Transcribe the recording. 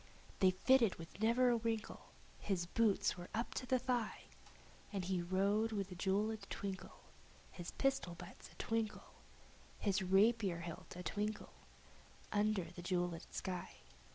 They fitted with never a wrinkle; his boots were up to his thigh! And he rode with a jeweled twinkle His rapier hilt a twinkle His pistol butts a twinkle, under the jeweled sky.